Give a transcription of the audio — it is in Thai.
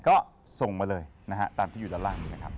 ก็ส่งมาเลยนะฮะตามที่อยู่ด้านล่างนี้นะครับ